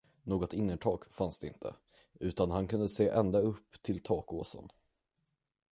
Något innertak fanns det inte, utan han kunde se ända upp till takåsen.